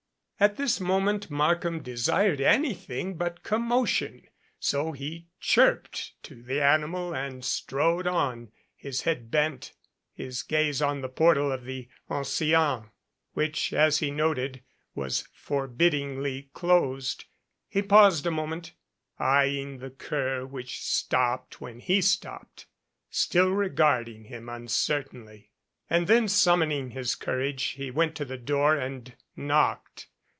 At this mo ment Markham desired anything but commotion, so he chirped to the animal and strode on, his head bent, his gaze on the portal of the ancien, which, as he noted, was forbiddingly closed. He paused a moment, eyeing the cur which stopped when he stopped, still regarding him un certainly. And then summoning his courage he went to the door and knocked.